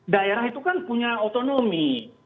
daerah itu kan punya otonomi